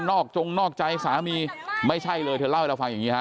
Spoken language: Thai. จงนอกใจสามีไม่ใช่เลยเธอเล่าให้เราฟังอย่างนี้ฮะ